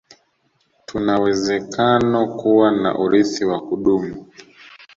tunawezekano kuwa na urithi wa kudumu